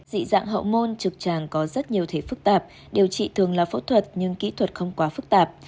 dị dạng hậu môn trực tràng có rất nhiều thể phức tạp điều trị thường là phẫu thuật nhưng kỹ thuật không quá phức tạp